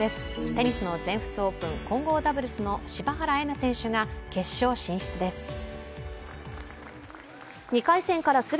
テニスの全仏オープン混合ダブルスの柴原瑛菜選手が決勝進出です。